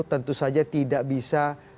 tentu saja tidak bisa